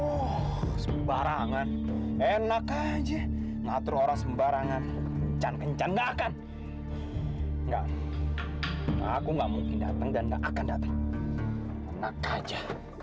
oh sembarangan enak aja ngatur orang sembarangan kencan kencan enggak kan enggak aku nggak mungkin datang dan nggak akan datang aja